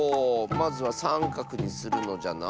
まずはさんかくにするのじゃな。